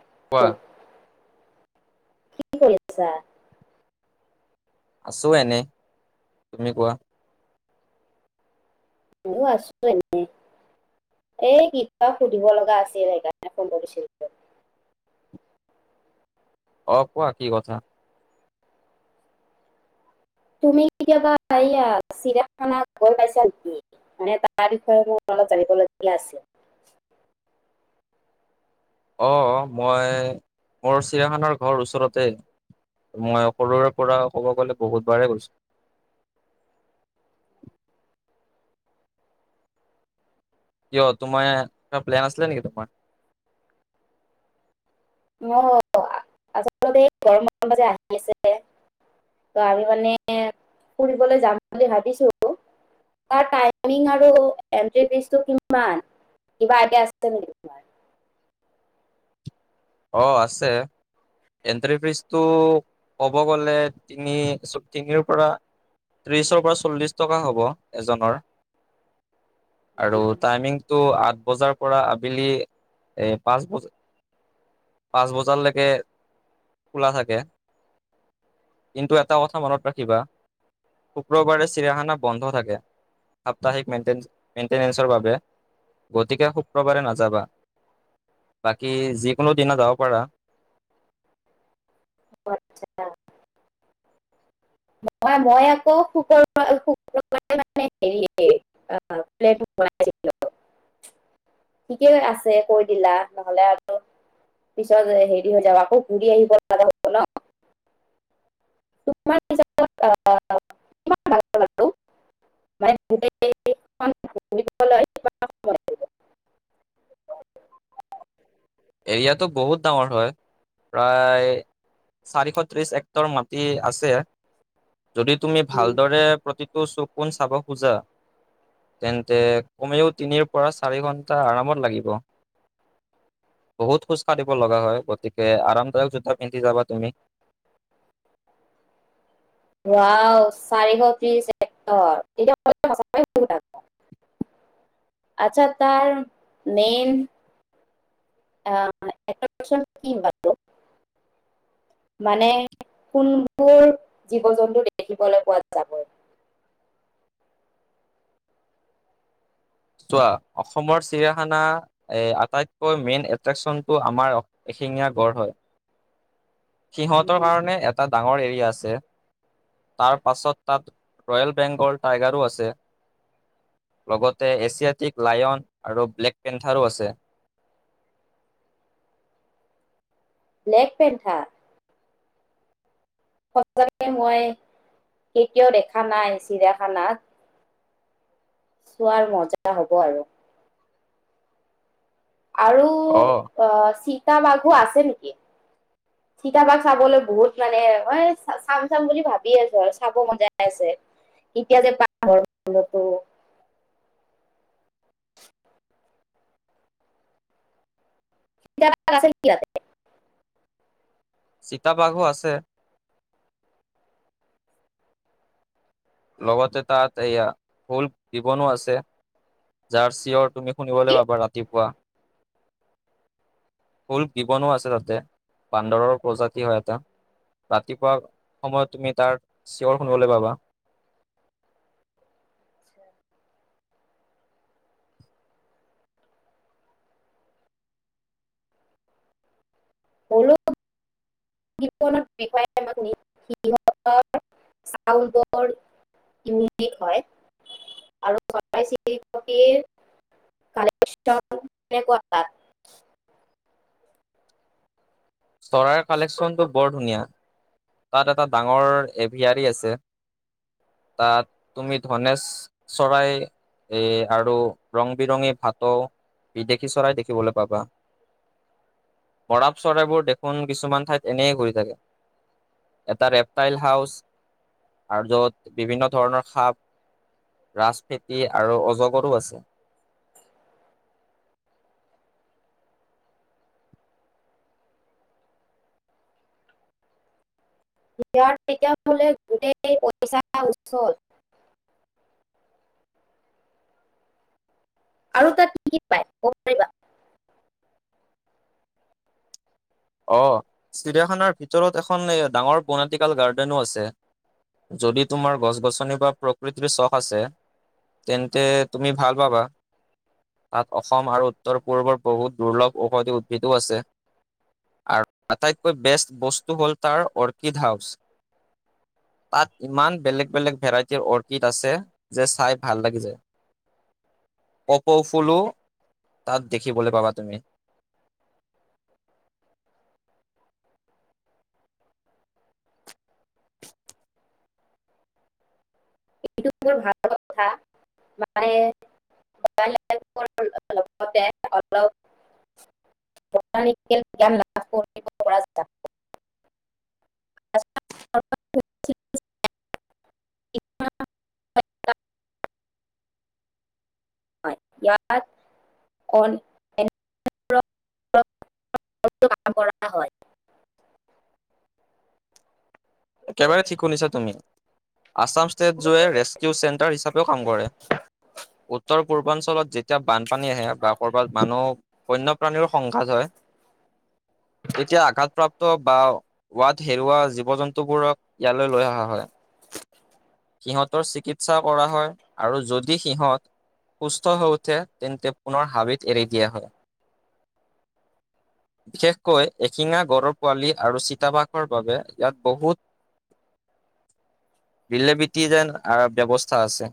[unintelligible] কি কৰিছা? আছো এনে তুমি কোৱা। মই আছো এনে, এই কিবা সুধিব লগা আছিল সেইকাৰণে ফোন কৰিছিলো। অ কোৱা কি কথা। তুমি কেতিয়াবা চিৰাখানা গৈ পাইছা নেকি? মানে তাৰ বিষয়ে মোৰ অলপ জানিবলগীয়া আছিল। অ মই মোৰ চিৰিয়াখানাৰ ঘৰ ওচৰতে মই সৰুৰে পৰা ক'ব গ'লে বহুতবাৰে গৈছো। কিয় তোমাৰ এটা প্লেন আছিলে নেকি তোমাৰ? অ আচলতে এইৰ ব আহিছে ত আমি মানে ফুৰিবলৈ যাম বুলি ভাবিছো তাৰ টাইমিং আৰু এনটি ফিছটোকিমান কিবা আইডিয়া আছে নেকি তোমা অঁ আছে এন্ট্ৰি ফিজটো ক'ব গ'লে তিনি তিনিৰ পৰা ত্ৰিছৰ পৰা চল্লিছ টকা হ'ব এজনৰ। আৰু অ' টাইমিংটো আঠ বজাৰ পৰা আবেলি পাঁচ বজাত পাঁচ বজালৈকে খোলা থাকে, কিন্তু এটা কথা মনত ৰাখিবা শুক্ৰবাৰে চিৰিয়াখানা বন্ধ থাকে সাপ্তাহিক মেই মেইনটেনেসৰ বাবে গতিকে শুক্ৰবাৰে নাযাবা বাকী যি কোনোদিনা যাব পাৰা। মই মই আকৌ শুক্ৰবাৰে মানে হেৰি পেলেনটো কৰা আছিলে ঠিকেই আছে কৈ দিলা নহলে আৰু পিছত হেৰি হৈ যাব আকৌ ঘুৰি আহিব হেল্ল [unintelligible] এৰিয়াটো বহুত ডাঙৰ হয় প্ৰায় চাৰিশ ত্ৰিশ এক্টৰ মাটি আছে যদি তুমি ভালদৰে প্ৰতিটো চকুন চাব খোজা তেন্তে কমেও তিনিৰ পৰা চাৰি ঘণ্টা আৰামত লাগিব। বহুত খোজ কাঢ়িব লগা হয় গতিকে আৰামদায়ক জোতা পিন্ধি যাবা তুমি। ৱাৱ চাৰিশ ত্ৰিশ হেক্টৰ [unintelligible] আটছা তাৰ মেইন অহ এ কি বাৰু মানে কোনবোৰ জীৱ জন্তু দেখিবলৈ পোৱা যাব? চোৱা অসমৰ চিৰিয়াখানা আটাইতকৈ মেইন এট্ৰেকশচনটো আমাৰ এশিঙীয়া গড় হয়। সিহঁতৰ কাৰণে এটা ডাঙৰ এৰিয়া আছে তাৰ পাছত তাত ৰয়েল বেংগল টাইগাৰো আছে লগত এছিয়াটিক লায়ন আৰু ব্লেক পেন্থাৰো আছে নেগ পেনথা সঁচাকে মই কেতিয়াও দেখা নাই চিৰাখানাত চোৱাৰ মজা হ'ব আৰু আৰু অ চি চিতাবাঘো আছে নেকি চিতাবাঘ চাবলৈ বহুত মানে হয় চাম চাম বুলি ভাবি আছো আৰু চাব মনজাই আছে কেতিয়া যে পাম চিতাবাঘ আছে নেকি তাতে চিতাবাঘো আছে লগতে তাত এয়া ফুল দিবনো আছে য়াৰ চিয়ৰ তুমি শুনিবলৈ পাবা ৰাতিপুৱা শুল দিবনো আছে তাতে বান্দৰৰ প্ৰজাতি হয় এটা ৰাতিপুৱা সময়ত তুমি তাৰ চিঞৰ শুনিবলৈ পাবা আচ্ছা হলৌ বিষয় সিহঁতৰ চাউল বৰ ইউনিক হয় আৰু চৰাই চিৰিকটীৰ কালেকচন কেনেকুৱা তাত চৰাইৰ কালেকশ্যনটো বৰ ধুনীয়া তাত এটা ডাঙৰ এভিয়াৰী আছে তাত তুমি ধনেশ চৰাই এ আৰু ৰং বিৰঙী ভাটৌ বিদেশী চৰাই দেখিবলৈ পাবা বৰাপ চৰাইবোৰ দেখোন কিছুমান ঠাইত এনেই ঘূৰি থাকে এটা ৰেপটাইল হাউচ আৰু য'ত বিভিন্ন ধৰণৰ সাপ ৰাজফেতি আৰু অজগৰো আছে ইয়াৰ তেতিয়া হলে গোটেই পইচা উচল আৰু তাত কি কি পায় কব পাৰিবা অ চিৰিয়াখানাৰ ভিতৰত এখন ডাঙৰ বনেটিকেল গাৰ্ডেনো আছে যদি তোমাৰ গছ গছনি বা প্ৰকৃতিৰ চখ আছে তেন্তে তুমি ভাল পাবা তাত অসম আৰু উত্তৰ পূৰ্বৰ বহুত দুৰ্লভ ঔষধি উদ্ভিদো আছে আৰু আটাইতকৈ বেষ্ট বস্তু হ'ল তাৰ অৰ্কিড হাউচ তাত ইমান বেলেগ বেলেগ ভেৰাইটিৰ অৰ্কিড আছে যে চাই ভাল লাগি যায় কপৌফুলো তাত দেখিবলৈ পাবা তুমি কিন্তু মোৰ ভাল কথা মায়ে কি [unintelligible] ইয়াত কৰা হয় ঠিক শুনিছা তুমি আাচাম স্থেষ্ট ৰেচকিও চোৰ হিচাপে কাম কৰে উত্তৰ পূৰ্বাঞ্চলত যেতিয়া বানপানী আহে বা ক'ৰবাত মানুহ বন্য প্ৰাণীৰ সংঘাত হয় তেতিয়া আঘাতপ্ৰাপ্ত বা ৱাদ হেৰুওৱা জীৱ জন্তু টো বোৰক ইয়াত লৈ অহা হয় সিহঁতৰ চিকিৎসা কৰা হয় আৰু যদি সিহঁত সুস্থ হৈ উঠে তেন্তে পুনৰ হাবিত এৰি দিয়া হয় বিশেষকৈ এশিঙা গড়ৰ পোৱালি আৰু চিতাবাসৰ বাবে ইয়াত বহুত বিলেবিতি যেন ব্যৱস্থা আছে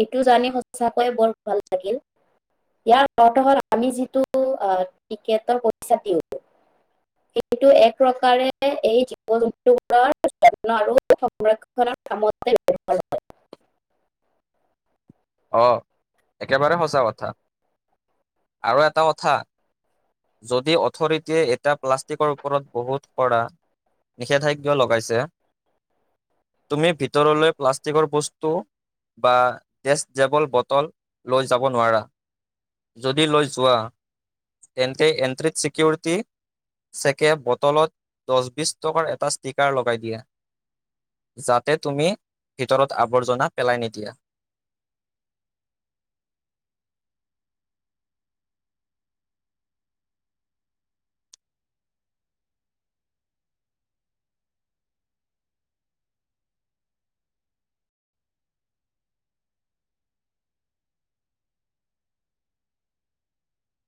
এইটো জানি সঁচাকৈয়ে বৰ ভাল লাগিল ইয়াৰ অৰ্থ হল আমি যিটো আহ টিকেটৰ পইচা দিওঁ সেইটো এক প্ৰকাৰে এই জীৱ জন্তুবোৰৰ আৰু সংৰক্ষণৰ কামতে হয় অ একেবাৰে সঁচা কথা আৰু এটা কথা যদি অথৰিটিয়ে এটা প্লাষ্টিকৰ ওপৰত বহুত কৰা নিষেধাজ্ঞ লগাইছে তুমি ভিতৰলৈ প্লাষ্টিকৰ বস্তু বা টেষ্টডেবল বটল লৈ যাব নোৱাৰা যদি লৈ যোৱা তেন্তে এণ্ট্ৰিত চিকিউৰিটি চেকে বটলত দহ বিছ টকাৰ এটা ষ্টিকাৰ লগাই দিয়া যাতে তুমি ভিতৰত আৱৰ্জনা পেলাই নিদিয়া